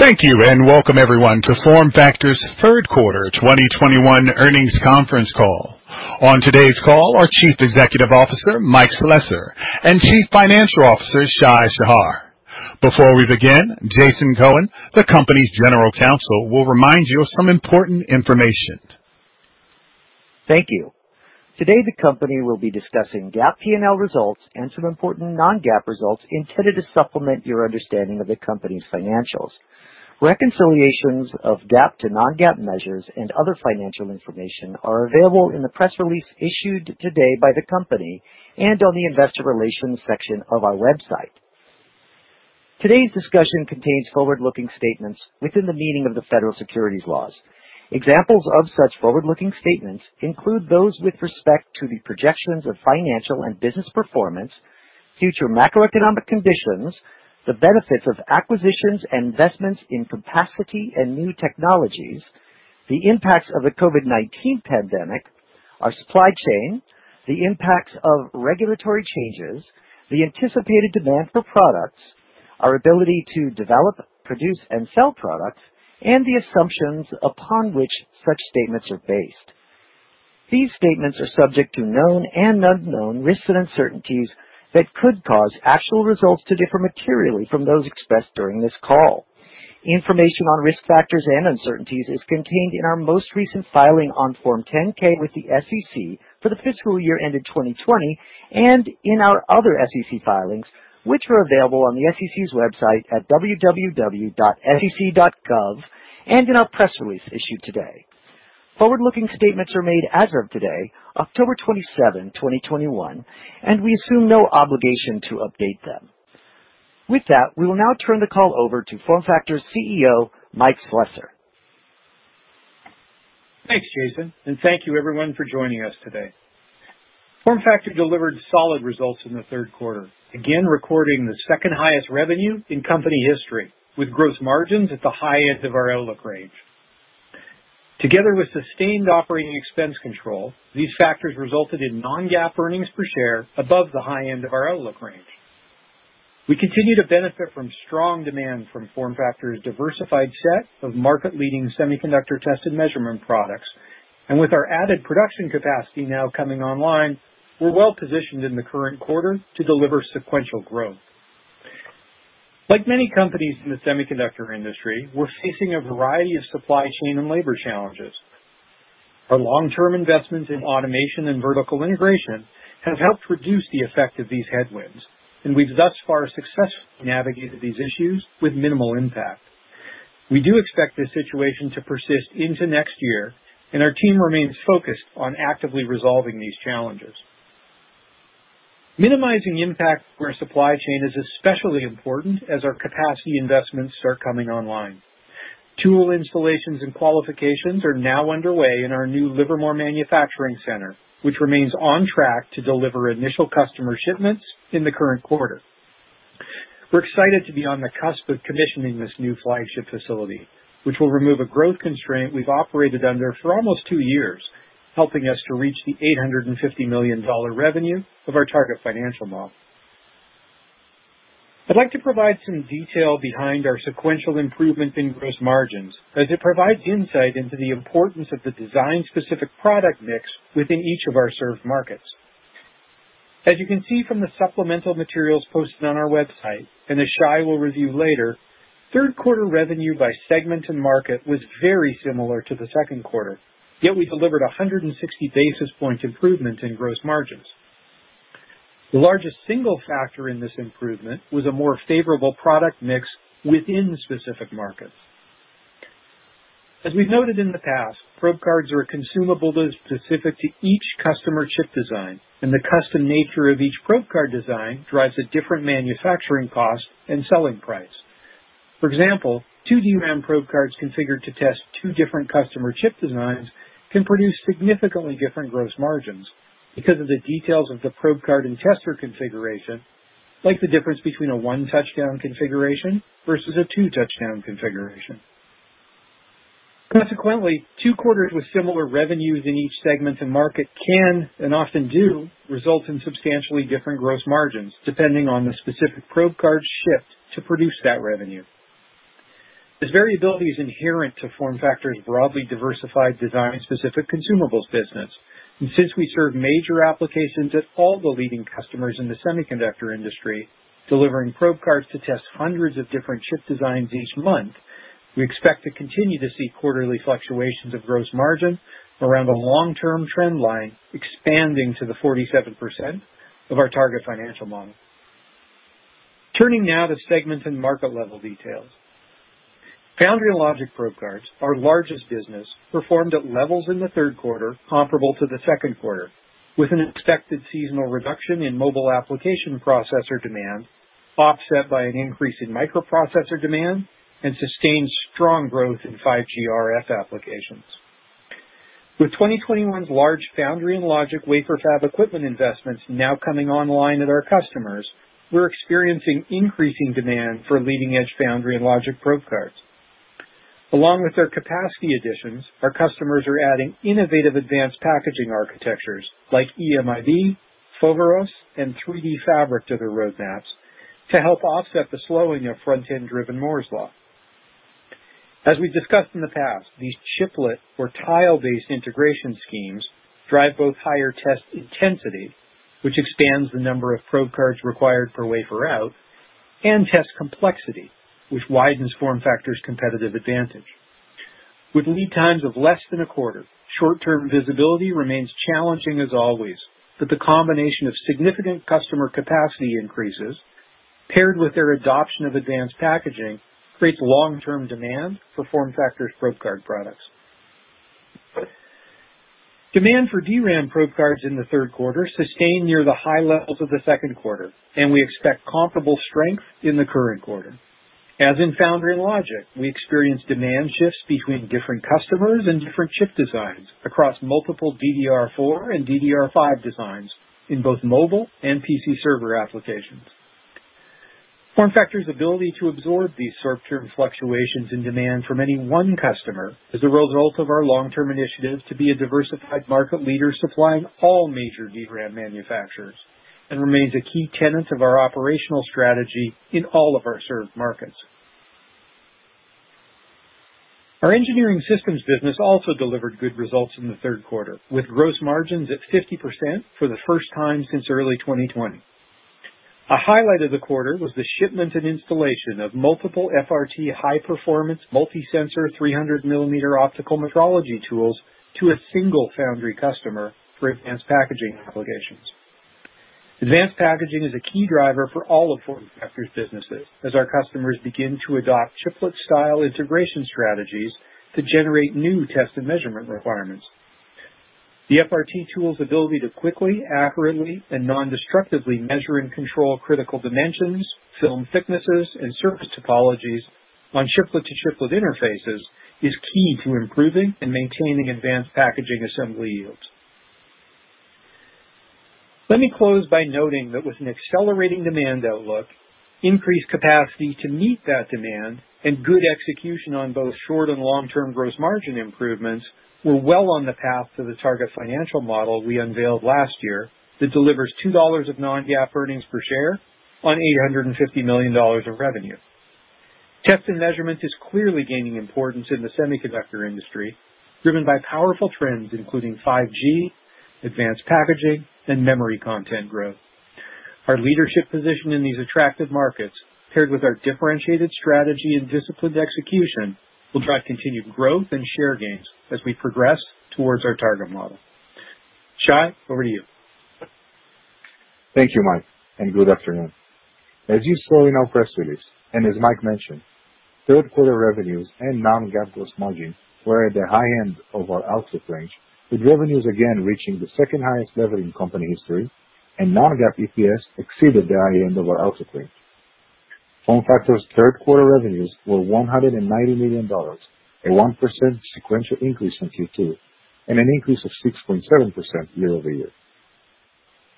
Thank you and welcome everyone to FormFactor's Third Quarter 2021 Earnings Conference Call. On today's call are Chief Executive Officer, Mike Slessor, and Chief Financial Officer, Shai Shahar. Before we begin, Jason Cohen, the company's General Counsel, will remind you of some important information. Thank you. Today, the company will be discussing GAAP P&L results and some important non-GAAP results intended to supplement your understanding of the company's financials. Reconciliations of GAAP to non-GAAP measures and other financial information are available in the press release issued today by the company and on the investor relations section of our website. Today's discussion contains forward-looking statements within the meaning of the federal securities laws. Examples of such forward-looking statements include those with respect to the projections of financial and business performance, future macroeconomic conditions, the benefits of acquisitions and investments in capacity and new technologies, the impacts of the COVID-19 pandemic, our supply chain, the impacts of regulatory changes, the anticipated demand for products, our ability to develop, produce, and sell products, and the assumptions upon which such statements are based. These statements are subject to known and unknown risks and uncertainties that could cause actual results to differ materially from those expressed during this call. Information on risk factors and uncertainties is contained in our most recent filing on Form 10-K with the SEC for the fiscal year ended 2020 and in our other SEC filings, which are available on the SEC's website at www.sec.gov and in our press release issued today. Forward-looking statements are made as of today, October 27th, 2021, and we assume no obligation to update them. With that, we will now turn the call over to FormFactor CEO, Mike Slesser. Thanks, Jason, and thank you everyone for joining us today. FormFactor delivered solid results in the third quarter, again recording the second-highest revenue in company history, with gross margins at the high end of our outlook range. Together with sustained operating expense control, these factors resulted in non-GAAP earnings per share above the high end of our outlook range. We continue to benefit from strong demand from FormFactor's diversified set of market-leading semiconductor test and measurement products. With our added production capacity now coming online, we're well-positioned in the current quarter to deliver sequential growth. Like many companies in the semiconductor industry, we're facing a variety of supply chain and labor challenges. Our long-term investments in automation and vertical integration have helped reduce the effect of these headwinds, and we've thus far successfully navigated these issues with minimal impact. We do expect this situation to persist into next year, and our team remains focused on actively resolving these challenges. Minimizing impact to our supply chain is especially important as our capacity investments start coming online. Tool installations and qualifications are now underway in our new Livermore manufacturing center, which remains on track to deliver initial customer shipments in the current quarter. We're excited to be on the cusp of commissioning this new flagship facility, which will remove a growth constraint we've operated under for almost two years, helping us to reach the $850 million revenue of our target financial model. I'd like to provide some detail behind our sequential improvement in gross margins, as it provides insight into the importance of the design-specific product mix within each of our served markets. As you can see from the supplemental materials posted on our website, and as Shai will review later, third quarter revenue by segment and market was very similar to the second quarter, yet we delivered 160 basis point improvement in gross margins. The largest single factor in this improvement was a more favorable product mix within specific markets. As we've noted in the past, probe cards are a consumable that is specific to each customer chip design, and the custom nature of each probe card design drives a different manufacturing cost and selling price. For example, two DRAM probe cards configured to test two different customer chip designs can produce significantly different gross margins because of the details of the probe card and tester configuration, like the difference between a one-touchdown configuration versus a two-touchdown configuration. Consequently, two quarters with similar revenues in each segment and market can, and often do, result in substantially different gross margins, depending on the specific probe cards shipped to produce that revenue. This variability is inherent to FormFactor's broadly diversified design-specific consumables business. Since we serve major applications at all the leading customers in the semiconductor industry, delivering probe cards to test hundreds of different chip designs each month, we expect to continue to see quarterly fluctuations of gross margin around a long-term trend line expanding to the 47% of our target financial model. Turning now to segment and market level details. Foundry and logic probe cards, our largest business, performed at levels in the third quarter comparable to the second quarter, with an expected seasonal reduction in mobile application processor demand offset by an increase in microprocessor demand and sustained strong growth in 5G RF applications. With 2021's large foundry and logic wafer fab equipment investments now coming online at our customers, we're experiencing increasing demand for leading-edge foundry and logic probe cards. Along with their capacity additions, our customers are adding innovative advanced packaging architectures like EMIB, Foveros, and 3D Fabric to their roadmaps to help offset the slowing of front-end driven Moore's Law. As we've discussed in the past, these chiplet or tile-based integration schemes drive both higher test intensity, which expands the number of probe cards required per wafer out, and test complexity, which widens FormFactor's competitive advantage. With lead times of less than a quarter, short-term visibility remains challenging as always, but the combination of significant customer capacity increases paired with their adoption of advanced packaging creates long-term demand for FormFactor's probe card products. Demand for DRAM probe cards in the third quarter sustained near the high levels of the second quarter, and we expect comparable strength in the current quarter. As in foundry logic, we experienced demand shifts between different customers and different chip designs across multiple DDR4 and DDR5 designs in both mobile and PC server applications. FormFactor's ability to absorb these short-term fluctuations in demand from any one customer is a result of our long-term initiative to be a diversified market leader supplying all major DRAM manufacturers and remains a key tenet of our operational strategy in all of our served markets. Our engineering systems business also delivered good results in the third quarter, with gross margins at 50% for the first time since early 2020. A highlight of the quarter was the shipment and installation of multiple FRT high-performance multi-sensor 300-millimeter optical metrology tools to a single foundry customer for advanced packaging applications. Advanced packaging is a key driver for all of FormFactor's businesses as our customers begin to adopt chiplet-style integration strategies that generate new test and measurement requirements. The FRT tool's ability to quickly, accurately, and non-destructively measure and control critical dimensions, film thicknesses, and surface topologies on chiplet-to-chiplet interfaces is key to improving and maintaining advanced packaging assembly yields. Let me close by noting that with an accelerating demand outlook, increased capacity to meet that demand, and good execution on both short and long-term gross margin improvements, we're well on the path to the target financial model we unveiled last year that delivers $2 of non-GAAP earnings per share on $850 million of revenue. Test and measurement is clearly gaining importance in the semiconductor industry, driven by powerful trends including 5G, advanced packaging, and memory content growth. Our leadership position in these attractive markets, paired with our differentiated strategy and disciplined execution, will drive continued growth and share gains as we progress towards our target model. Shai, over to you. Thank you, Mike, and good afternoon. As you saw in our press release, and as Mike mentioned, third quarter revenues and non-GAAP gross margin were at the high end of our outlook range, with revenues again reaching the second-highest level in company history and non-GAAP EPS exceeded the high end of our outlook range. FormFactor's third quarter revenues were $190 million, a 1% sequential increase from Q2, and an increase of 6.7% year-over-year.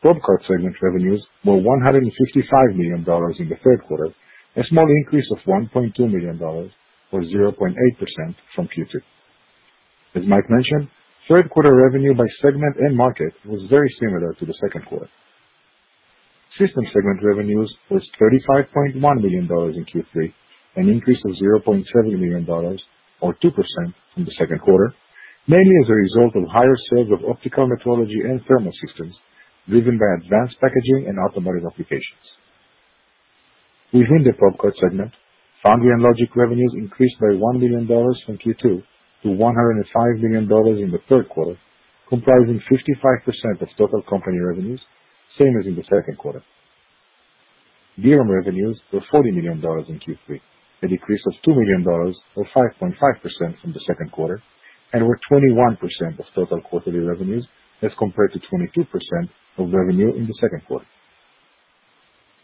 Probe card segment revenues were $155 million in the third quarter, a small increase of $1.2 million or 0.8% from Q2. As Mike mentioned, third quarter revenue by segment and market was very similar to the second quarter. System segment revenues was $35.1 million in Q3, an increase of $0.7 million or 2% from the second quarter, mainly as a result of higher sales of optical metrology and thermal systems, driven by advanced packaging and automotive applications. Within the probe card segment, foundry and logic revenues increased by $1 million from Q2 to $105 million in the third quarter, comprising 55% of total company revenues, same as in the second quarter. DRAM revenues were $40 million in Q3, a decrease of $2 million or 5.5% from the second quarter, and were 21% of total quarterly revenues as compared to 22% of revenue in the second quarter.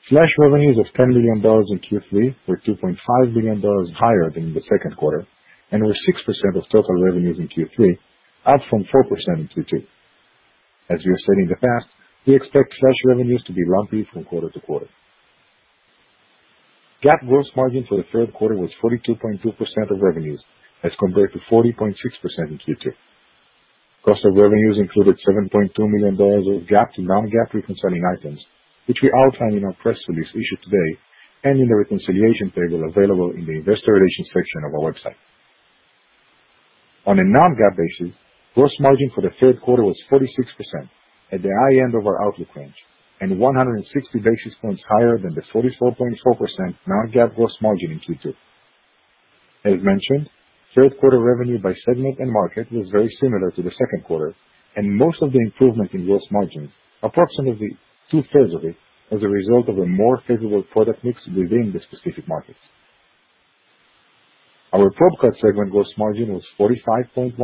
Flash revenues of $10 million in Q3 were $2.5 million higher than in the second quarter and were 6% of total revenues in Q3, up from 4% in Q2. As we have said in the past, we expect Flash revenues to be lumpy from quarter to quarter. GAAP gross margin for the third quarter was 42.2% of revenues as compared to 40.6% in Q2. Cost of revenues included $7.2 million of GAAP to non-GAAP reconciling items, which we outline in our press release issued today and in the reconciliation table available in the investor relations section of our website. On a non-GAAP basis, gross margin for the third quarter was 46% at the high end of our outlook range and 160 basis points higher than the 44.4% non-GAAP gross margin in Q2. As mentioned, third quarter revenue by segment and market was very similar to the second quarter and most of the improvement in gross margins, approximately two-thirds of it, as a result of a more favorable product mix within the specific markets. Our probe card segment gross margin was 45.1%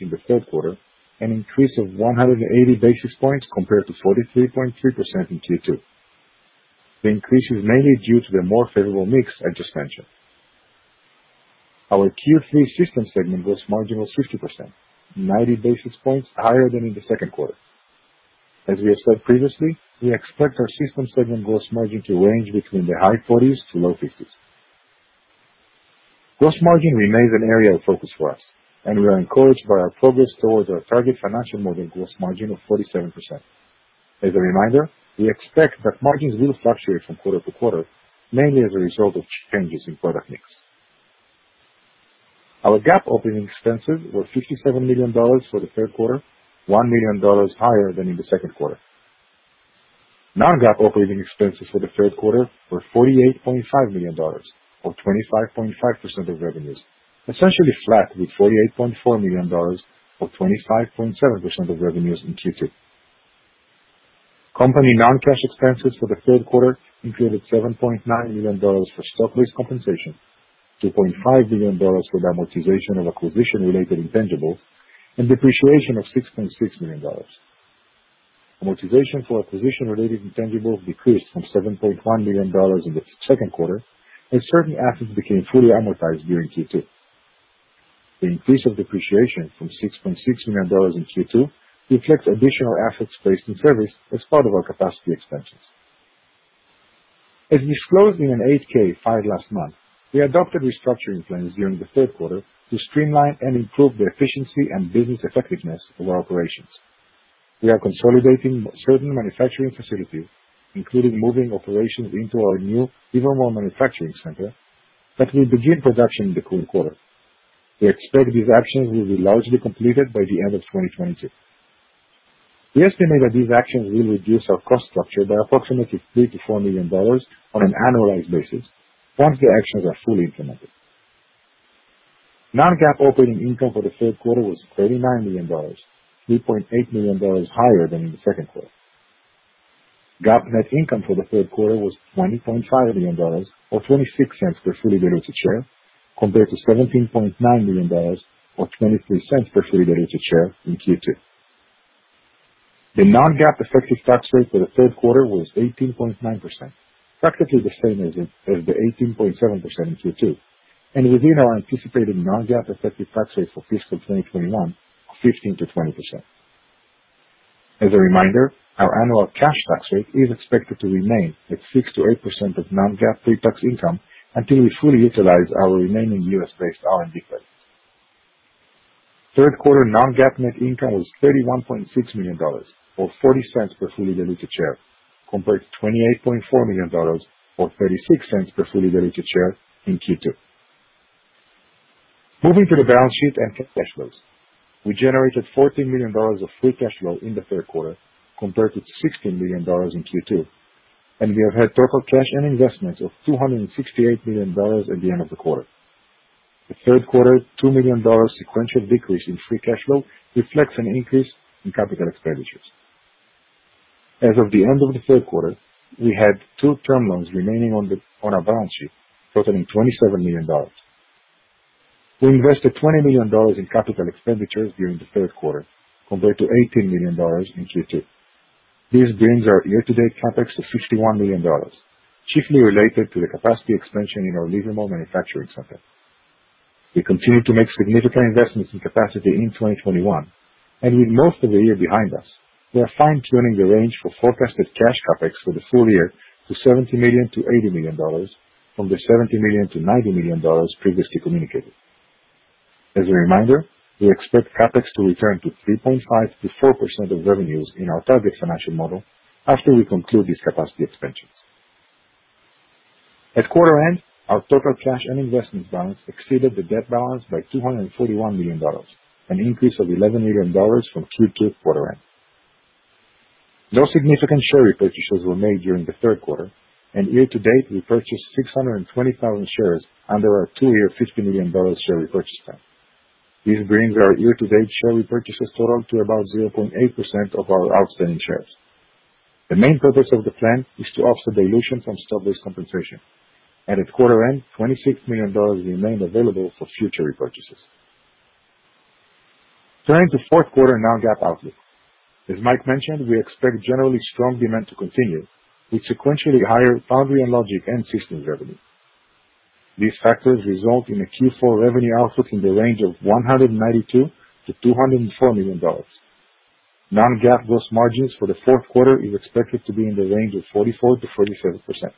in the third quarter, an increase of 180 basis points compared to 43.3% in Q2. The increase is mainly due to the more favorable mix I just mentioned. Our Q3 systems segment gross margin was 50%, 90 basis points higher than in the second quarter. As we have said previously, we expect our systems segment gross margin to range between the high 40s-low 50s. Gross margin remains an area of focus for us, and we are encouraged by our progress towards our target financial model gross margin of 47%. As a reminder, we expect that margins will fluctuate from quarter to quarter, mainly as a result of changes in product mix. Our GAAP operating expenses were $57 million for the third quarter, $1 million higher than in the second quarter. Non-GAAP operating expenses for the third quarter were $48.5 million, or 25.5% of revenues, essentially flat with $48.4 million or 25.7% of revenues in Q2. Company non-cash expenses for the third quarter included $7.9 million for stock-based compensation, $2.5 million for the amortization of acquisition-related intangibles, and depreciation of $6.6 million. Amortization for acquisition-related intangibles decreased from $7.1 million in the second quarter as certain assets became fully amortized during Q2. The increase of depreciation from $6.6 million in Q2 reflects additional assets placed in service as part of our capacity expansions. As disclosed in a Form 8-K filed last month, we adopted restructuring plans during the third quarter to streamline and improve the efficiency and business effectiveness of our operations. We are consolidating certain manufacturing facilities, including moving operations into our new Livermore manufacturing center that will begin production in the current quarter. We expect these actions will be largely completed by the end of 2020. We estimate that these actions will reduce our cost structure by approximately $3-$4 million on an annualized basis once the actions are fully implemented. Non-GAAP operating income for the third quarter was $39 million, $3.8 million higher than in the second quarter. GAAP net income for the third quarter was $20.5 million, or $0.26 per fully diluted share, compared to $17.9 million or $0.23 per fully diluted share in Q2. The non-GAAP effective tax rate for the third quarter was 18.9%, practically the same as the 18.7% in Q2, and within our anticipated non-GAAP effective tax rate for fiscal 2021 of 15%-20%. As a reminder, our annual cash tax rate is expected to remain at 6%-8% of non-GAAP pre-tax income until we fully utilize our remaining U.S.-based R&D credits. Third quarter non-GAAP net income was $31.6 million, or $0.40 per fully diluted share, compared to $28.4 million or $0.36 per fully diluted share in Q2. Moving to the balance sheet and to cash flows. We generated $14 million of free cash flow in the third quarter compared to $16 million in Q2, and we have had total cash and investments of $268 million at the end of the quarter. The third quarter's $2 million sequential decrease in free cash flow reflects an increase in capital expenditures. As of the end of the third quarter, we had two term loans remaining on our balance sheet, totaling $27 million. We invested $20 million in capital expenditures during the third quarter, compared to $18 million in Q2. This brings our year-to-date CapEx to $51 million, chiefly related to the capacity expansion in our Livermore manufacturing center. We continue to make significant investments in capacity in 2021, and with most of the year behind us, we are fine-tuning the range for forecasted cash CapEx for the full year to $70 million-$80 million from the $70 million-$90 million previously communicated. As a reminder, we expect CapEx to return to 3.5%-4% of revenues in our target financial model after we conclude these capacity expansions. At quarter end, our total cash and investments balance exceeded the debt balance by $241 million, an increase of $11 million from Q2 quarter end. No significant share repurchases were made during the third quarter, and year to date we purchased 620,000 shares under our two-year $50 million share repurchase plan. This brings our year-to-date share repurchases total to about 0.8% of our outstanding shares. The main purpose of the plan is to offset dilution from stock-based compensation, and at quarter end, $26 million remained available for future repurchases. Turning to fourth quarter non-GAAP outlook. As Mike mentioned, we expect generally strong demand to continue, with sequentially higher foundry and logic and systems revenue. These factors result in a Q4 revenue outlook in the range of $192 million-$204 million. non-GAAP gross margins for the fourth quarter is expected to be in the range of 44%-47%.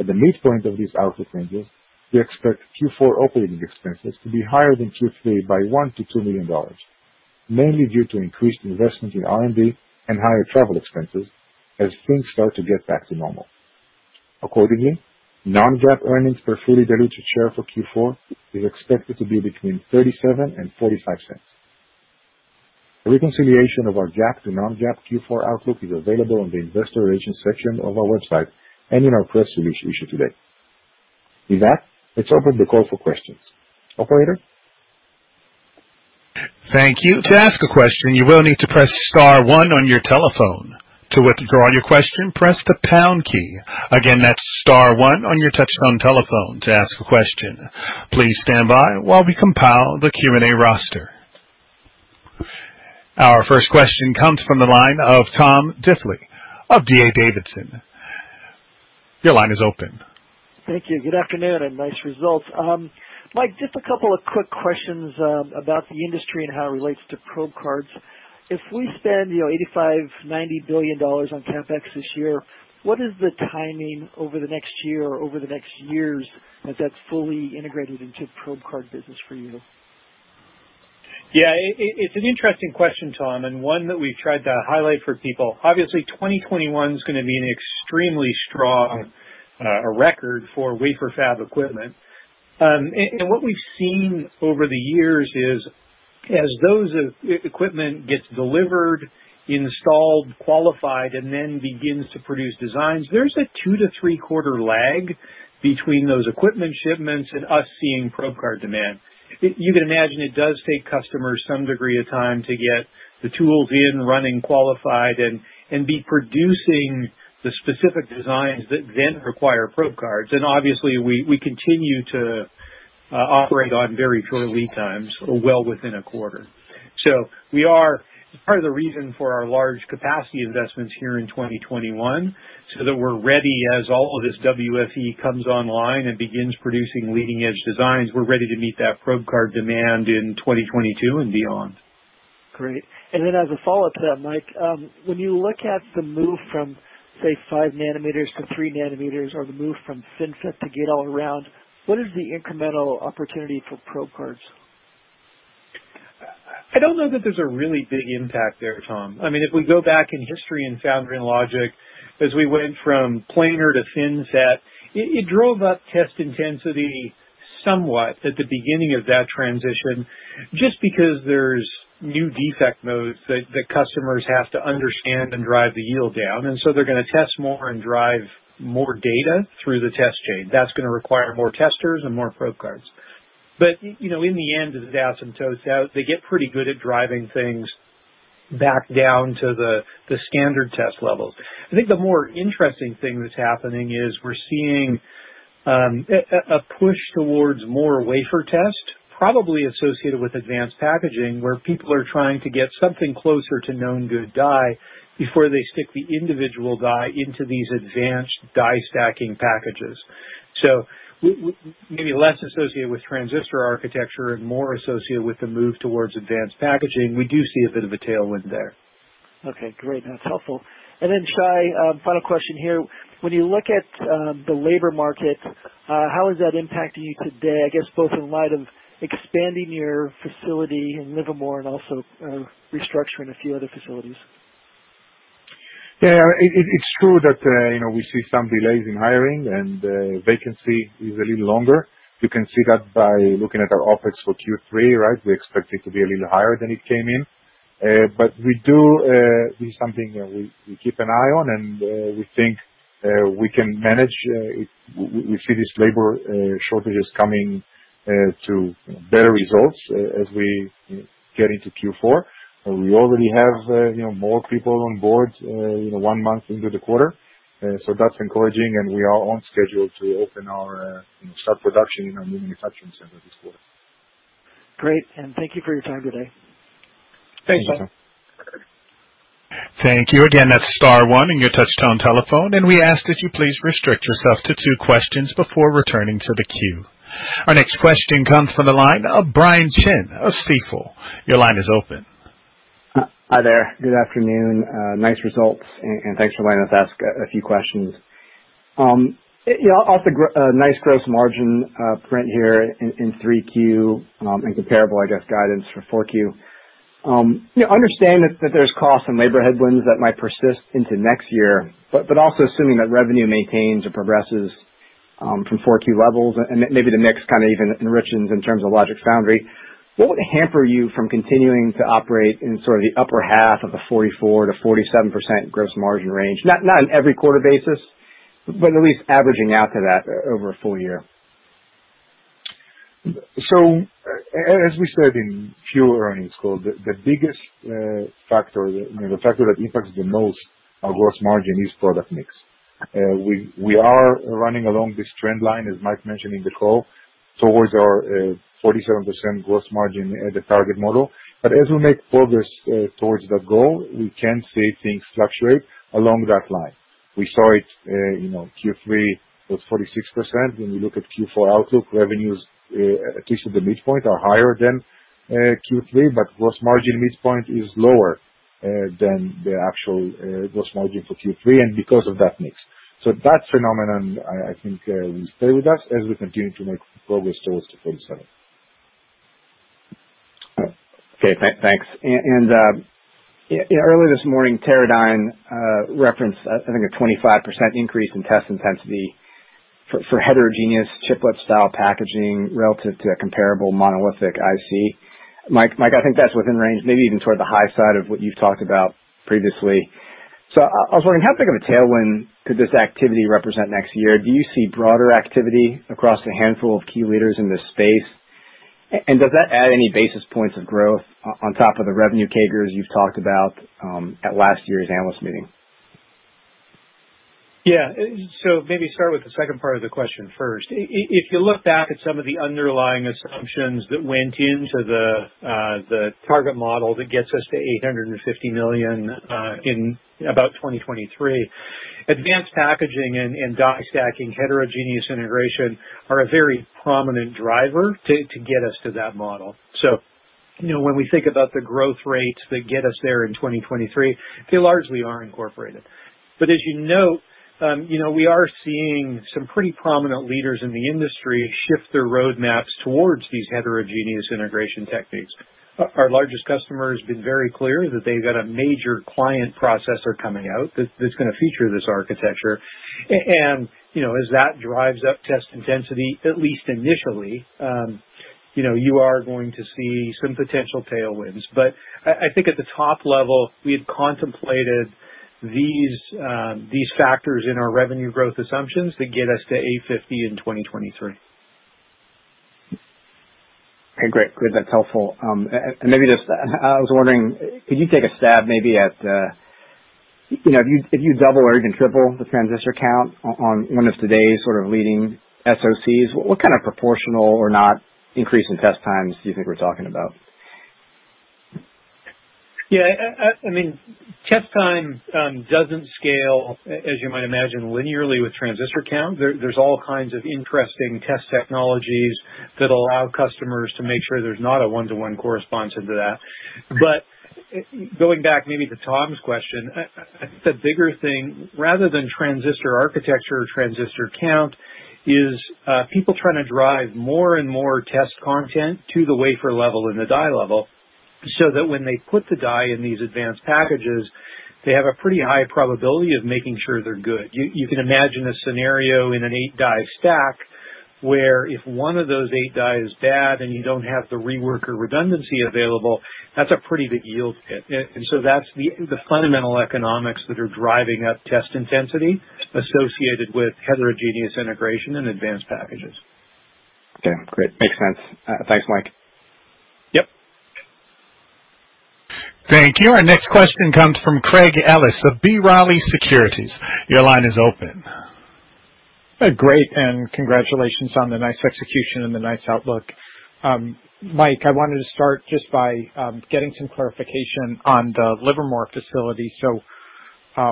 At the midpoint of these outlook ranges, we expect Q4 operating expenses to be higher than Q3 by $1 million-$2 million, mainly due to increased investment in R&D and higher travel expenses as things start to get back to normal. Accordingly, non-GAAP earnings per fully diluted share for Q4 is expected to be between $0.37 and $0.45. A reconciliation of our GAAP to non-GAAP Q4 outlook is available on the investor relations section of our website and in our press release issued today. With that, let's open the call for questions. Operator? Our first question comes from the line of Tom Diffely of D.A. Davidson. Your line is open. Thank you. Good afternoon, and nice results. Mike, just a couple of quick questions about the industry and how it relates to probe cards. If we spend, you know, $85 billion-$90 billion on CapEx this year, what is the timing over the next year or over the next years that that's fully integrated into probe card business for you? Yeah. It's an interesting question, Tom, and one that we've tried to highlight for people. Obviously, 2021's gonna be an extremely strong record for wafer fab equipment. And what we've seen over the years is, as those equipment gets delivered, installed, qualified, and then begins to produce designs, there's a two- to three-quarter lag between those equipment shipments and us seeing probe card demand. You can imagine it does take customers some degree of time to get the tools in, running, qualified, and be producing the specific designs that then require probe cards. Obviously, we continue to operate on very short lead times, well within a quarter. We are... Part of the reason for our large capacity investments here in 2021, so that we're ready as all of this WFE comes online and begins producing leading edge designs, we're ready to meet that probe card demand in 2022 and beyond. Great. As a follow-up to that, Mike, when you look at the move from, say, 5 nm-3 nor the move from FinFET to gate-all-around, what is the incremental opportunity for probe cards? I don't know that there's a really big impact there, Tom. I mean, if we go back in history in foundry and logic, as we went from planar to FinFET, it drove up test intensity somewhat at the beginning of that transition, just because there's new defect modes that the customers have to understand and drive the yield down. They're gonna test more and drive more data through the test chain. That's gonna require more testers and more probe cards. You know, in the end, as it asymptotes out, they get pretty good at driving things back down to the standard test levels. I think the more interesting thing that's happening is we're seeing a push towards more wafer test, probably associated with advanced packaging, where people are trying to get something closer to known good die before they stick the individual die into these advanced die stacking packages. We may be less associated with transistor architecture and more associated with the move towards advanced packaging. We do see a bit of a tailwind there. Okay, great. That's helpful. Then, Shai, final question here. When you look at the labor market, how is that impacting you today, I guess both in light of expanding your facility in Livermore and also restructuring a few other facilities? Yeah. It's true that, you know, we see some delays in hiring and vacancy is a little longer. You can see that by looking at our OpEx for Q3, right? We expect it to be a little higher than it came in. But we do. It's something that we keep an eye on, and we think we can manage. We see these labor shortages coming to better results as we get into Q4. We already have, you know, more people on board, you know, one month into the quarter, so that's encouraging, and we are on schedule to start production in our new manufacturing center this quarter. Great. Thank you for your time today. Thanks. Thank you. Thank you. Again, that's star one on your touchtone telephone, and we ask that you please restrict yourself to two questions before returning to the queue. Our next question comes from the line of Brian Chin of Stifel. Your line is open. Hi there. Good afternoon. Nice results, and thanks for letting us ask a few questions. Yeah, also nice gross margin print here in 3Q, and comparable, I guess, guidance for 4Q. You know, I understand that there's costs and labor headwinds that might persist into next year, but also assuming that revenue maintains or progresses from 4Q levels, and maybe the mix kind of even enriches in terms of logic foundry, what would hamper you from continuing to operate in sort of the upper half of the 44%-47% gross margin range? Not on every quarter basis, but at least averaging out to that over a full year. As we said in Q earnings call, the biggest factor, you know, that impacts our gross margin the most is product mix. We are running along this trend line, as Mike mentioned in the call, towards our 47% gross margin, the target model. As we make progress towards that goal, we can see things fluctuate along that line. We saw it, you know, Q3 was 46%. When we look at Q4 outlook, revenues, at least at the midpoint, are higher than Q3. Gross margin midpoint is lower than the actual gross margin for Q3, and because of that mix. That phenomenon, I think, will stay with us as we continue to make progress towards 47. Okay. Thanks. Yeah, earlier this morning, Teradyne referenced I think a 25% increase in test intensity for heterogeneous chiplet style packaging relative to a comparable monolithic IC. Mike, I think that's within range, maybe even sort of the high side of what you've talked about previously. I was wondering how big of a tailwind could this activity represent next year? Do you see broader activity across the handful of key leaders in this space? And does that add any basis points of growth on top of the revenue targets you've talked about at last year's analyst meeting? Maybe start with the second part of the question first. If you look back at some of the underlying assumptions that went into the target model that gets us to $850 million in about 2023. Advanced packaging and die stacking heterogeneous integration are a very prominent driver to get us to that model. You know, when we think about the growth rates that get us there in 2023, they largely are incorporated. But as you note, you know, we are seeing some pretty prominent leaders in the industry shift their roadmaps towards these heterogeneous integration techniques. Our largest customer has been very clear that they've got a major client processor coming out that's gonna feature this architecture. you know, as that drives up test intensity, at least initially, you know, you are going to see some potential tailwinds. I think at the top level, we've contemplated these factors in our revenue growth assumptions that get us to $850 in 2023. Okay, great. Good. That's helpful. And maybe just, I was wondering, could you take a stab maybe at, you know, if you double or even triple the transistor count on one of today's sort of leading SOCs, what kind of proportional or not increase in test times do you think we're talking about? Yeah. I mean, test time doesn't scale as you might imagine, linearly with transistor count. There's all kinds of interesting test technologies that allow customers to make sure there's not a one-to-one correspondence to that. Going back maybe to Tom's question, I think the bigger thing, rather than transistor architecture or transistor count, is people trying to drive more and more test content to the wafer level and the die level, so that when they put the die in these advanced packages, they have a pretty high probability of making sure they're good. You can imagine a scenario in an eight die stack, where if one of those eight die is bad and you don't have the rework or redundancy available, that's a pretty big yield hit. That's the fundamental economics that are driving up test intensity associated with heterogeneous integration and advanced packages. Okay, great. Makes sense. Thanks, Mike. Yep. Thank you. Our next question comes from Craig Ellis of B. Riley Securities. Your line is open. Great, congratulations on the nice execution and the nice outlook. Mike, I wanted to start just by getting some clarification on the Livermore facility.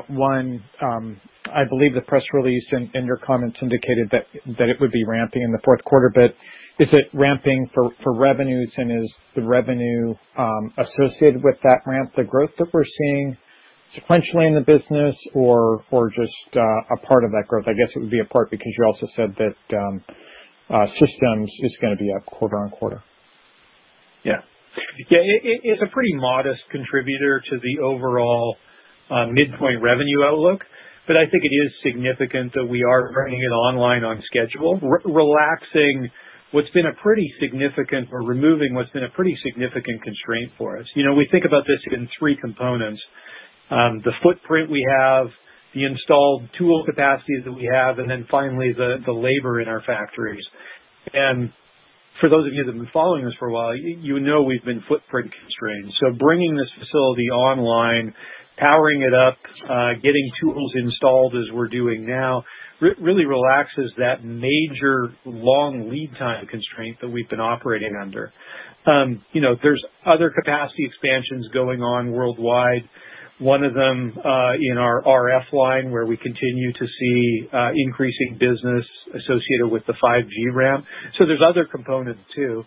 One, I believe the press release and your comments indicated that it would be ramping in the fourth quarter, but is it ramping for revenues, and is the revenue associated with that ramp the growth that we're seeing sequentially in the business or just a part of that growth? I guess it would be a part because you also said that systems is gonna be up quarter-over-quarter. It's a pretty modest contributor to the overall midpoint revenue outlook, but I think it is significant that we are bringing it online on schedule, removing what's been a pretty significant constraint for us. You know, we think about this in three components, the footprint we have, the installed tool capacities that we have, and then finally, the labor in our factories. For those of you that have been following us for a while, you know we've been footprint constrained. Bringing this facility online, powering it up, getting tools installed as we're doing now, really relaxes that major long lead time constraint that we've been operating under. You know, there's other capacity expansions going on worldwide. One of them, in our RF line, where we continue to see increasing business associated with the 5G ramp. There's other components too.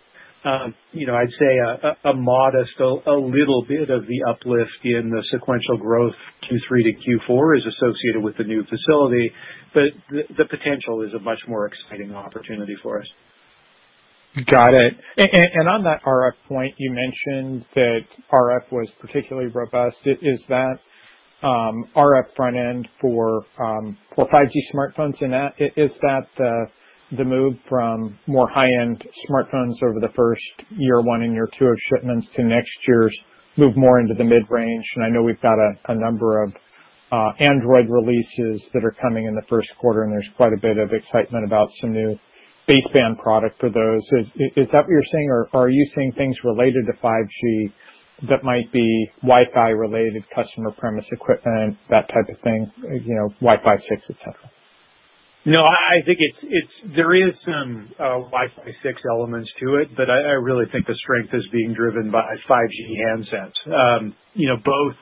You know, I'd say a modest, a little bit of the uplift in the sequential growth Q3 to Q4 is associated with the new facility, but the potential is a much more exciting opportunity for us. Got it. And on that RF point, you mentioned that RF was particularly robust. Is that RF front end for 5G smartphones in that? Is that the move from more high-end smartphones over the first year one and year two of shipments to next year's move more into the mid-range? I know we've got a number of Android releases that are coming in the first quarter, and there's quite a bit of excitement about some new baseband product for those. Is that what you're saying, or are you seeing things related to 5G that might be Wi-Fi related customer premise equipment, that type of thing? You know, Wi-Fi 6, et cetera. No, I think there is some Wi-Fi 6 elements to it, but I really think the strength is being driven by 5G handsets. You know, both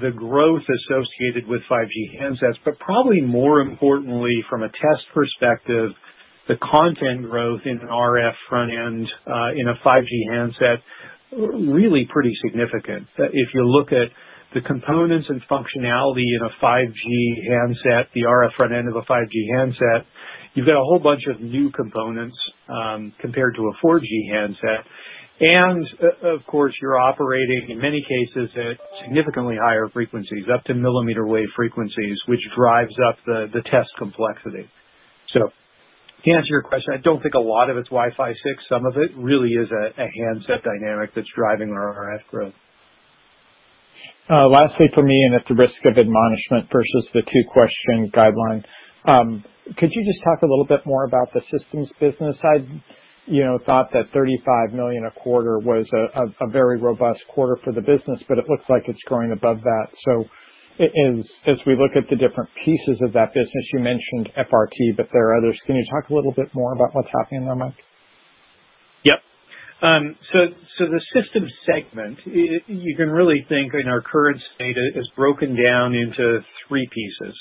the growth associated with 5G handsets, but probably more importantly from a test perspective, the content growth in an RF front end in a 5G handset, really pretty significant. If you look at the components and functionality in a 5G handset, the RF front end of a 5G handset, you've got a whole bunch of new components compared to a 4G handset. Of course, you're operating, in many cases, at significantly higher frequencies, up to millimeter wave frequencies, which drives up the test complexity. To answer your question, I don't think a lot of it's Wi-Fi 6. Some of it really is a handset dynamic that's driving our RF growth. Last, for me, and at the risk of admonishment versus the two-question guideline, could you just talk a little bit more about the systems business side? You know, thought that $35 million a quarter was a very robust quarter for the business, but it looks like it's growing above that. As we look at the different pieces of that business, you mentioned FRT, but there are others. Can you talk a little bit more about what's happening there, Mike? Yep. The systems segment, you can really think in our current state, it is broken down into three pieces.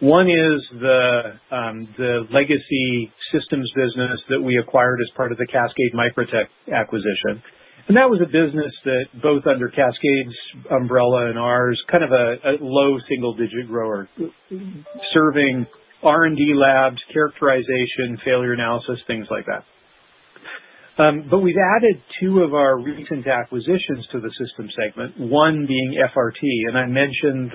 One is the legacy systems business that we acquired as part of the Cascade Microtech acquisition. That was a business that both under Cascade's umbrella and ours, kind of a low single digit grower serving R&D labs, characterization, failure analysis, things like that. We've added two of our recent acquisitions to the systems segment, one being FRT. I mentioned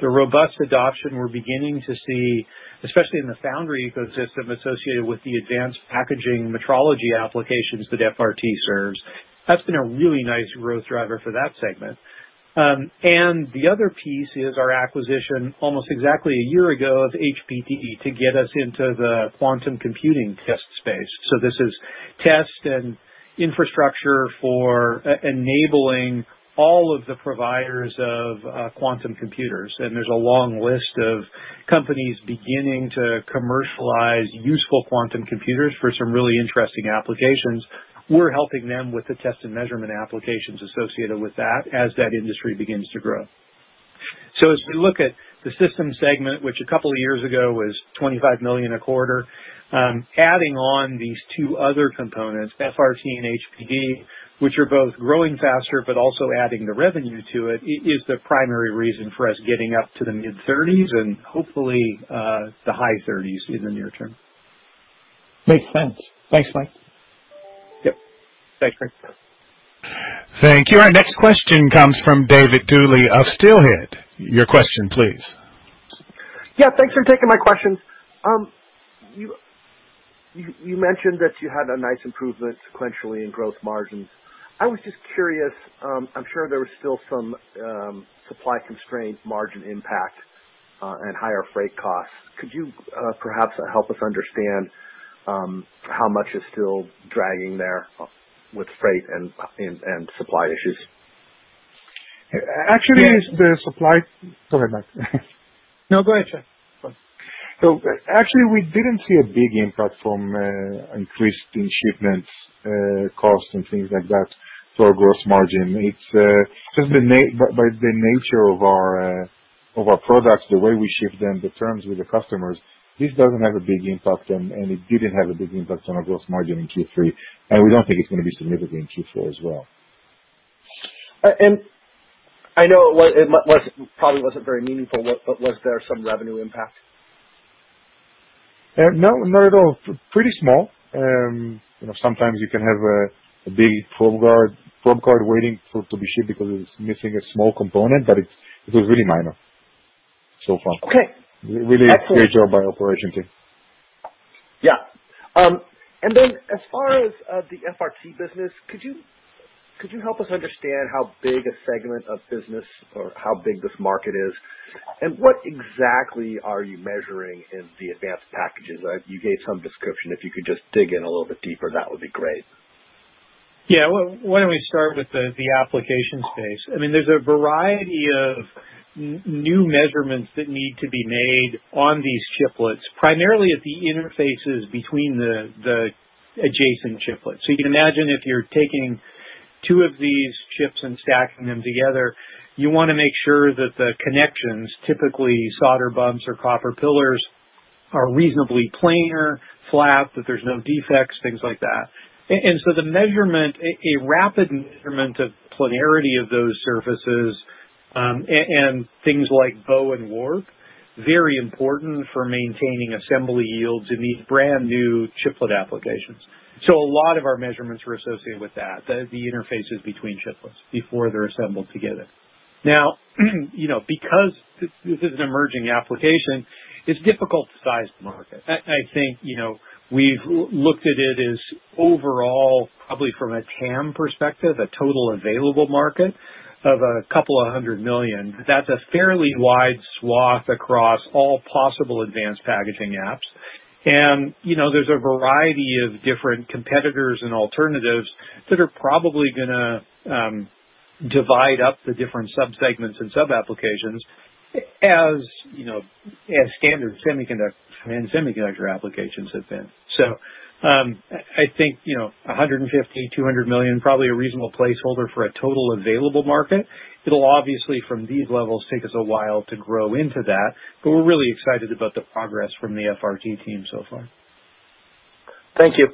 the robust adoption we're beginning to see, especially in the foundry ecosystem associated with the advanced packaging metrology applications that FRT serves. That's been a really nice growth driver for that segment. The other piece is our acquisition, almost exactly a year ago, of High Precision Devices, to get us into the quantum computing test space. This is test and infrastructure for enabling all of the providers of quantum computers. There's a long list of companies beginning to commercialize useful quantum computers for some really interesting applications. We're helping them with the test and measurement applications associated with that as that industry begins to grow. As we look at the Systems segment, which a couple of years ago was $25 million a quarter, adding on these two other components, FRT and HPD, which are both growing faster but also adding the revenue to it, is the primary reason for us getting up to the mid-$30s and hopefully the high $30s in the near term. Makes sense. Thanks, Mike. Yep. Thanks. Thank you. Our next question comes from David Duley of Steelhead. Your question, please. Yeah, thanks for taking my questions. You mentioned that you had a nice improvement sequentially in growth margins. I was just curious. I'm sure there was still some supply constraint margin impact and higher freight costs. Could you perhaps help us understand how much is still dragging there with freight and supply issues? Actually, the supplies Yeah Sorry, Mike. No, go ahead, Shai. Actually, we didn't see a big impact from increase in shipments, cost and things like that for gross margin. It's just by the nature of our products, the way we ship them, the terms with the customers; this doesn't have a big impact. It didn't have a big impact on our gross margin in Q3, and we don't think it's gonna be significant in Q4 as well. I know it wasn't, probably wasn't very meaningful, but was there some revenue impact? No, not at all. Pretty small. You know, sometimes you can have a big probe guard, probe card waiting for to be shipped because it's missing a small component, but it was really minor so far. Okay. Really great job by our operations team. Yeah. Then as far as the FRT business, could you help us understand how big a segment of business or how big this market is? What exactly are you measuring in the advanced packages? You gave some description. If you could just dig in a little bit deeper, that would be great. Why don't we start with the application space? I mean, there's a variety of new measurements that need to be made on these chiplets, primarily at the interfaces between the adjacent chiplets. You can imagine if you're taking two of these chips and stacking them together, you wanna make sure that the connections, typically solder bumps or copper pillars, are reasonably planar, flat, that there's no defects, things like that. A rapid measurement of planarity of those surfaces, and things like bow and warp, very important for maintaining assembly yields in these brand new chiplet applications. A lot of our measurements were associated with that, the interfaces between chiplets before they're assembled together. Now, because this is an emerging application, it's difficult to size the market. I think, you know, we've looked at it as overall, probably from a TAM perspective, a total available market of a couple of 100 million. That's a fairly wide swath across all possible advanced packaging apps. You know, there's a variety of different competitors and alternatives that are probably gonna divide up the different sub-segments and sub-applications as, you know, as standard semiconductor applications have been. I think, you know, 150, 200 million, probably a reasonable placeholder for a total available market. It'll obviously, from these levels, take us a while to grow into that, but we're really excited about the progress from the FRT team so far. Thank you.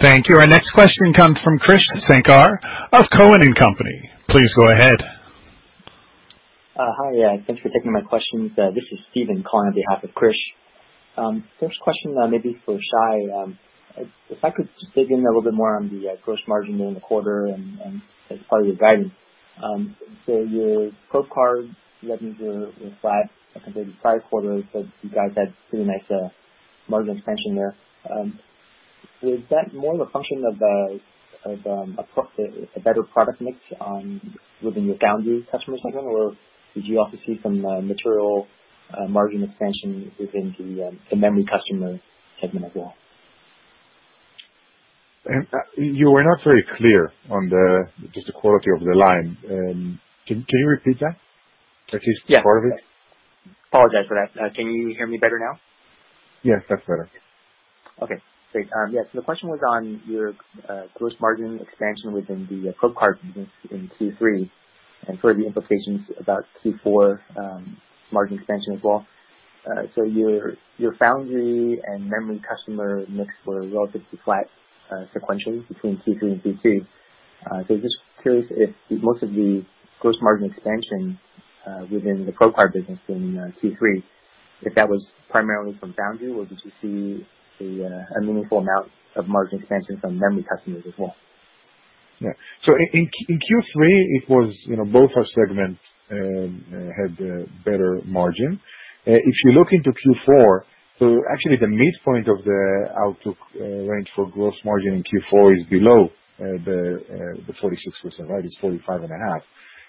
Thank you. Our next question comes from Krish Sankar of Cowen and Company. Please go ahead. Hi. Thanks for taking my questions. This is Steven calling on behalf of Krish. First question, maybe for Shai. If I could just dig in a little bit more on the gross margin during the quarter and as part of your guidance. Your probe cards revenues were flat compared to prior quarter. You guys had pretty nice margin expansion there. Was that more of a function of a better product mix within your foundry customer segment? Or did you also see some material margin expansion within the memory customer segment as well? You were not very clear on just the quality of the line. Can you repeat that? At least part of it. apologize for that. Can you hear me better now? Yes, that's better. Okay, great. Yes, the question was on your gross margin expansion within the probe card business in Q3, and for the implications about Q4 margin expansion as well. Your foundry and memory customer mix were relatively flat sequentially between Q3 and Q2. Just curious if most of the gross margin expansion within the probe card business in Q3, if that was primarily from foundry, or did you see a meaningful amount of margin expansion from memory customers as well? Yeah. In Q3, it was, you know, both our segments had a better margin. If you look into Q4, actually the midpoint of the outlook range for gross margin in Q4 is below the 46%, right? It's 45.5%.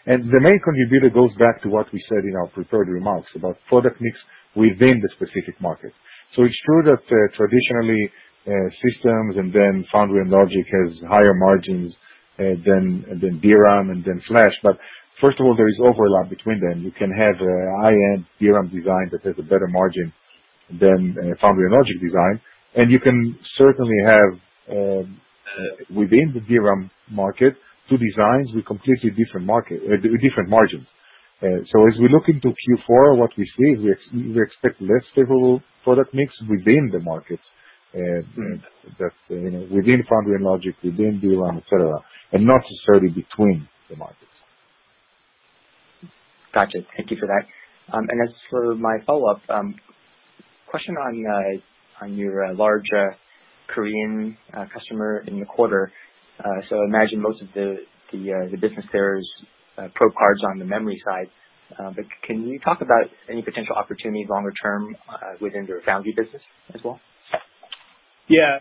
The main contributor goes back to what we said in our prepared remarks about product mix within the specific markets. It's true that, traditionally, systems and then foundry and logic has higher margins than DRAM and than Flash, but first of all, there is overlap between them. You can have a high-end DRAM design that has a better margin than a foundry and logic design. You can certainly have, within the DRAM market, two designs with completely different margins. As we look into Q4, what we see is we expect less favorable product mix within the markets, that's, you know, within foundry and logic, within DRAM, et cetera, and not necessarily between the markets. Gotcha. Thank you for that. As for my follow-up question on your large Korean customer in the quarter. I imagine most of the business there is probe cards on the memory side. Can you talk about any potential opportunity longer term within their foundry business as well? Yeah.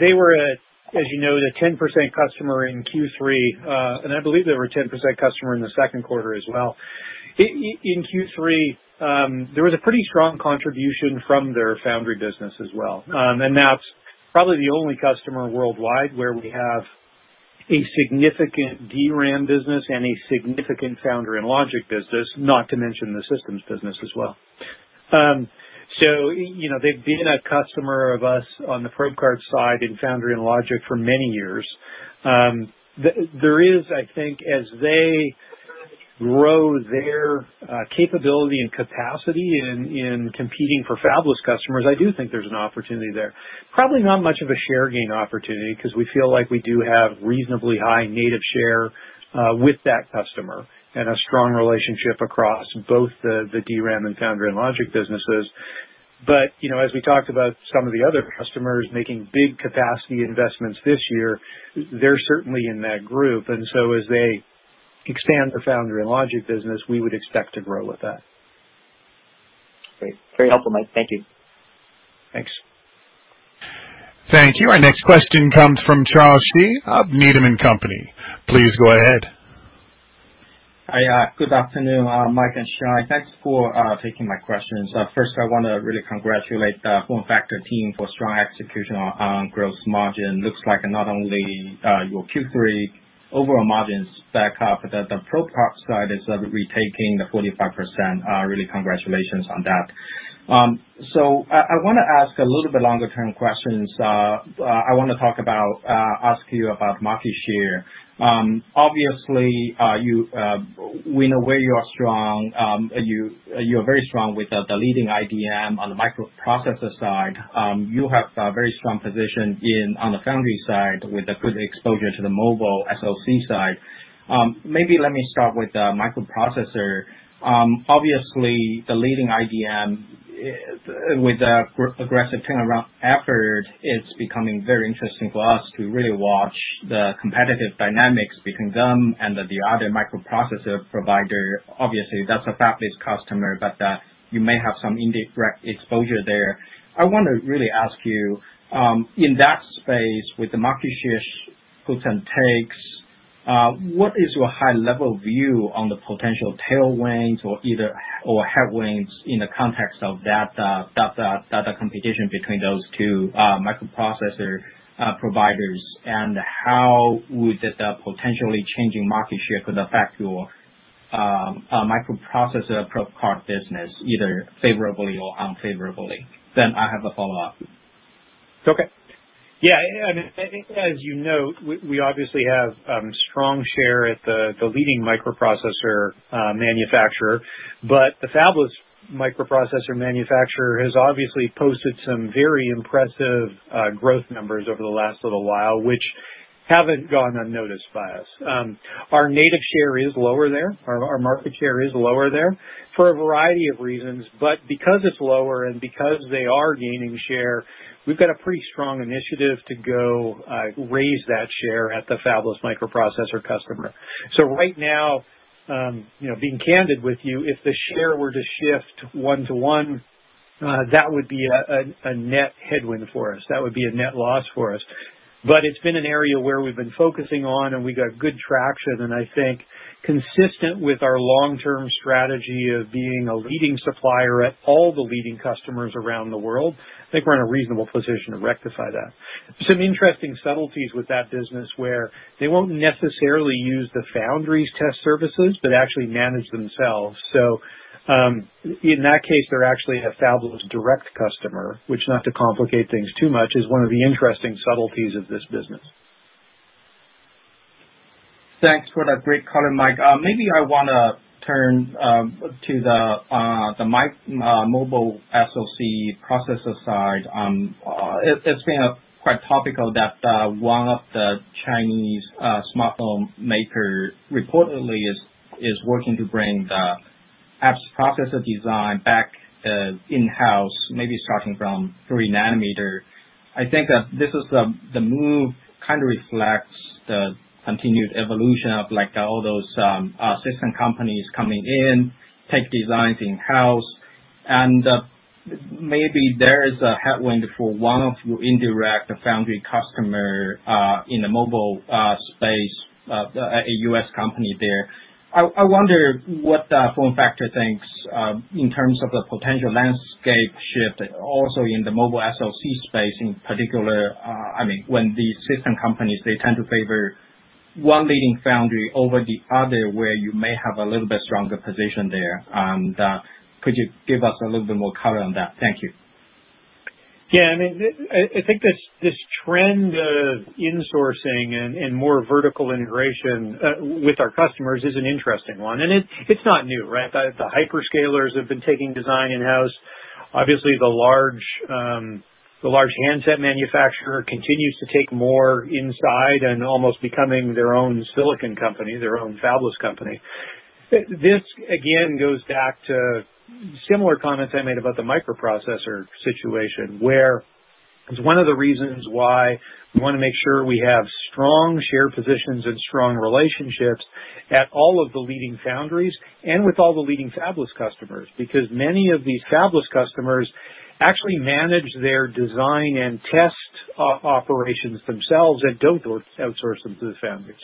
They were, as you know, the 10% customer in Q3, and I believe they were a 10% customer in the second quarter as well. In Q3, there was a pretty strong contribution from their foundry business as well. That's probably the only customer worldwide where we have a significant DRAM business and a significant foundry and logic business, not to mention the systems business as well. You know, they've been a customer of us on the probe card side in foundry and logic for many years. There is, I think, as they grow their capability and capacity in competing for fabless customers, I do think there's an opportunity there. Probably not much of a share gain opportunity because we feel like we do have reasonably high native share with that customer and a strong relationship across both the DRAM and foundry and logic businesses. You know, as we talked about some of the other customers making big capacity investments this year, they're certainly in that group. As they expand their foundry and logic business, we would expect to grow with that. Great. Very helpful, Mike. Thank you. Thanks. Thank you. Our next question comes from Charles Shi of Needham & Company. Please go ahead. Hi. Good afternoon, Mike and Shai. Thanks for taking my questions. First I wanna really congratulate the FormFactor team for strong execution on gross margin. Looks like not only your Q3 overall margins back up, but the probe card side is retaking the 45%. Really congratulations on that. So I wanna ask a little bit longer term questions. I wanna ask you about market share. Obviously, we know where you are strong. You're very strong with the leading IDM on the microprocessor side. You have a very strong position on the foundry side with a good exposure to the mobile SOC side. Maybe let me start with the microprocessor. Obviously the leading IDM with the aggressive turnaround effort, it's becoming very interesting for us to really watch the competitive dynamics between them and the other microprocessor provider. Obviously, that's a fabless customer, but you may have some indirect exposure there. I want to really ask you in that space, with the market share gives and takes, what is your high level view on the potential tailwinds or either, or headwinds in the context of that competition between those two microprocessor providers? And how would the potentially changing market share could affect your microprocessor probe card business, either favorably or unfavorably? Then I have a follow-up. Okay. Yeah, I think as you know, we obviously have strong share at the leading microprocessor manufacturer. The fabless microprocessor manufacturer has obviously posted some very impressive growth numbers over the last little while, which haven't gone unnoticed by us. Our native share is lower there. Our market share is lower there for a variety of reasons. Because it's lower and because they are gaining share, we've got a pretty strong initiative to go raise that share at the fabless microprocessor customer. Right now, you know, being candid with you, if the share were to shift one to one, that would be a net headwind for us. That would be a net loss for us. It's been an area where we've been focusing on and we got good traction. I think consistent with our long-term strategy of being a leading supplier at all the leading customers around the world, I think we're in a reasonable position to rectify that. Some interesting subtleties with that business where they won't necessarily use the foundries test services but actually manage themselves. In that case, they're actually a fabless direct customer, which not to complicate things too much, is one of the interesting subtleties of this business. Thanks for that great color, Mike. Maybe I want to turn to the mobile SoC processor side. It's been quite topical that one of the Chinese smartphone maker reportedly is working to bring the apps processor design back in-house, maybe starting from 3 nm. I think that this is the move kind of reflects the continued evolution of like all those system companies coming in, take designs in house, and maybe there is a headwind for one of your indirect foundry customer in the mobile space, a U.S. company there. I wonder what FormFactor thinks in terms of the potential landscape shift also in the mobile SoC space in particular. I mean, when the system companies, they tend to favor one leading foundry over the other, where you may have a little bit stronger position there. Could you give us a little bit more color on that? Thank you. Yeah. I mean, I think this trend of insourcing and more vertical integration with our customers is an interesting one. It’s not new, right? The hyperscalers have been taking design in-house. Obviously, the large handset manufacturer continues to take more in-house and almost becoming their own silicon company, their own fabless company. This again goes back to similar comments I made about the microprocessor situation, where it's one of the reasons why we wanna make sure we have strong shared positions and strong relationships at all of the leading foundries and with all the leading fabless customers. Because many of these fabless customers actually manage their design and test operations themselves and don't outsource them to the foundry.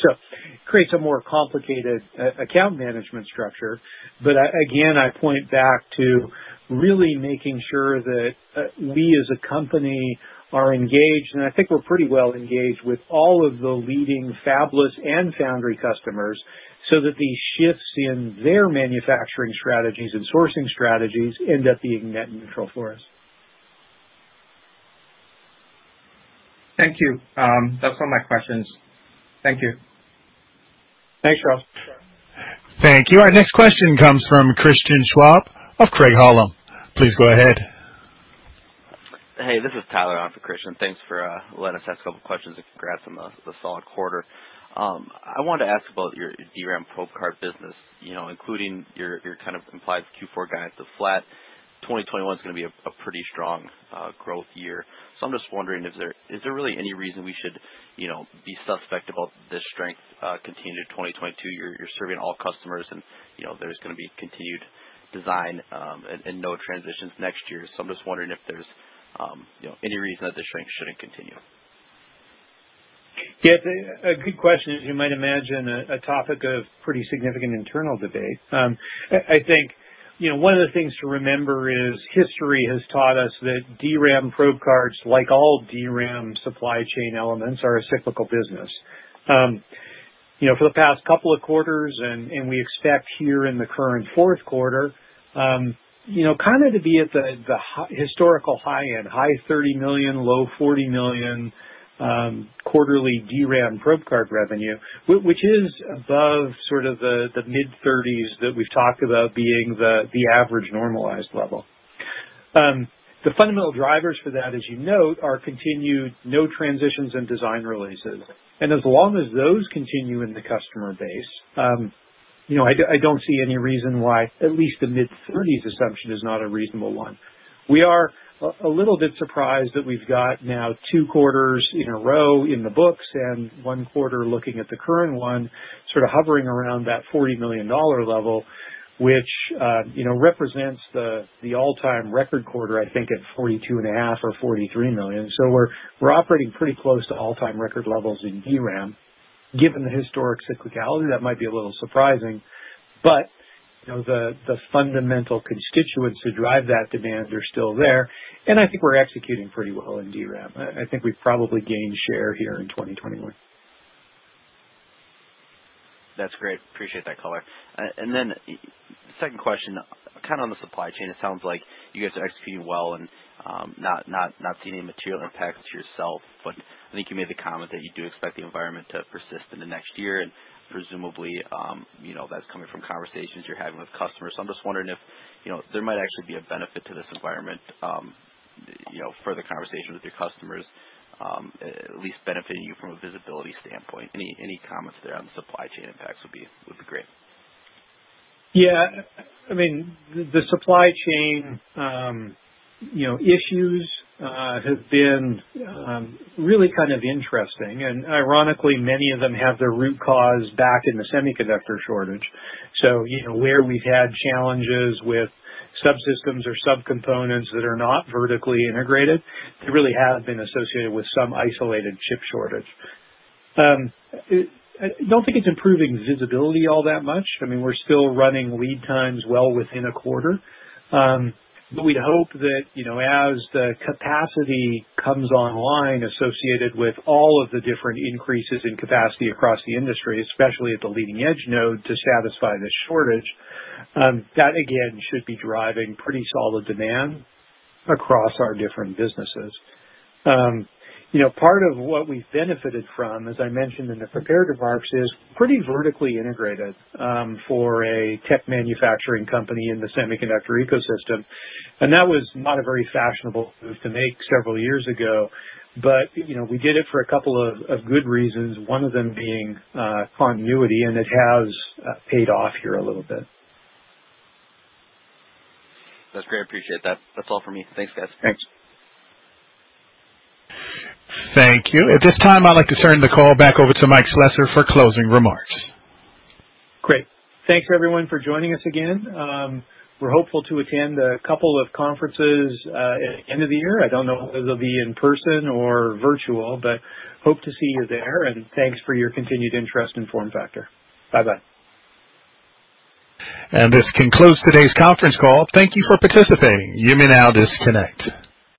Creates a more complicated account management structure. Again, I point back to really making sure that we as a company are engaged, and I think we're pretty well engaged with all of the leading fabless and foundry customers, so that these shifts in their manufacturing strategies and sourcing strategies end up being net neutral for us. Thank you. That's all my questions. Thank you. Thanks, Charles. Thank you. Our next question comes from Christian Schwab of Craig-Hallum. Please go ahead. Hey, this is Tyler on for Christian. Thanks for letting us ask a couple questions and congrats on the solid quarter. I wanted to ask about your DRAM probe card business. You know, including your kind of implied Q4 guidance of flat, 2021's gonna be a pretty strong growth year. So I'm just wondering, is there really any reason we should, you know, be suspect about this strength continue to 2022? You're serving all customers and, you know, there's gonna be continued design and no transitions next year. So I'm just wondering if there's, you know, any reason that the strength shouldn't continue. Yeah. A good question. As you might imagine, a topic of pretty significant internal debate. I think, you know, one of the things to remember is history has taught us that DRAM probe cards, like all DRAM supply chain elements, are a cyclical business. You know, for the past couple of quarters and we expect here in the current fourth quarter, you know, kind of to be at the historical high end, $30 million-$40 million quarterly DRAM probe card revenue, which is above sort of the mid-$30s that we've talked about being the average normalized level. The fundamental drivers for that, as you note, are continued node transitions and design releases. As long as those continue in the customer base, you know, I don't see any reason why at least the mid-30s assumption is not a reasonable one. We are a little bit surprised that we've got now two quarters in a row in the books and one quarter looking at the current one sort of hovering around that $40 million level, which, you know, represents the all-time record quarter, I think, at $42.5 million or $43 million. We're operating pretty close to all-time record levels in DRAM. Given the historic cyclicality, that might be a little surprising, but, you know, the fundamental constituents who drive that demand are still there, and I think we're executing pretty well in DRAM. I think we've probably gained share here in 2021. That's great. Appreciate that color. Second question, kind of on the supply chain, it sounds like you guys are executing well and not seeing any material impacts yourself, but I think you made the comment that you do expect the environment to persist into next year. Presumably, you know, that's coming from conversations you're having with customers. I'm just wondering if, you know, there might actually be a benefit to this environment, you know, further conversations with your customers, at least benefiting you from a visibility standpoint. Any comments there on the supply chain impacts would be great. Yeah. I mean, the supply chain, you know, issues have been really kind of interesting. Ironically, many of them have their root cause back in the semiconductor shortage. You know, where we've had challenges with subsystems or subcomponents that are not vertically integrated, they really have been associated with some isolated chip shortage. I don't think it's improving visibility all that much. I mean, we're still running lead times well within a quarter. We'd hope that, you know, as the capacity comes online associated with all of the different increases in capacity across the industry, especially at the leading edge node to satisfy this shortage, that again should be driving pretty solid demand across our different businesses. You know, part of what we've benefited from, as I mentioned in the prepared remarks, is pretty vertically integrated for a tech manufacturing company in the semiconductor ecosystem. That was not a very fashionable move to make several years ago, but you know, we did it for a couple of good reasons, one of them being continuity, and it has paid off here a little bit. That's great. Appreciate that. That's all for me. Thanks, guys. Thanks. Thank you. At this time, I'd like to turn the call back over to Mike Slesser for closing remarks. Great. Thanks everyone for joining us again. We're hopeful to attend a couple of conferences at end of the year. I don't know whether they'll be in person or virtual, but hope to see you there, and thanks for your continued interest in FormFactor. Bye-bye. This concludes today's conference call. Thank you for participating. You may now disconnect.